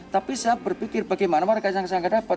tapi saya berpikir bagaimana warga yang saya nggak dapat